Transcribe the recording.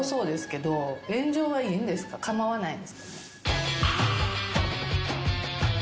構わないですか？